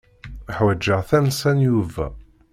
Ḥwajeɣ tansa n Yuba.